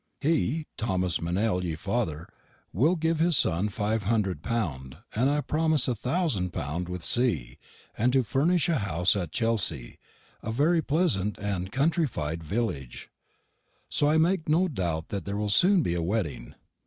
He, Tomas Meynell ye father, will give his son five hundred pound, and I prommis a thousand pound with C. and to furnish a house at Chelsee, a verry plesent and countriefide vilage; so I make no doubt there will soon be a wedding.